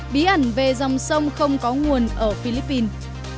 bí ẩn về dòng sông không có nguồn ở philippines